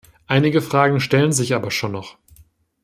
Einige Fragen stellen sich aber schon noch.